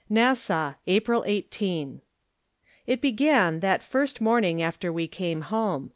J Nassau, April 18. It began that first morning after we came home.